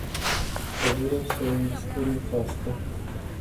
Aș vrea să îmi spuneți asta.